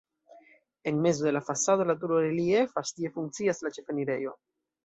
En mezo de la fasado la turo reliefas, tie funkcias la ĉefenirejo.